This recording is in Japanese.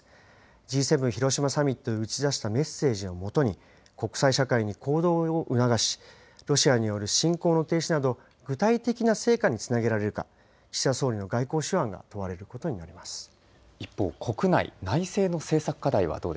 Ｇ７広島サミットで打ち出したメッセージをもとに、国際社会に行動を促し、ロシアによる侵攻の停止など、具体的な成果につなげられるか、岸田総理の外交手腕が問一方、国内、内政の政策課題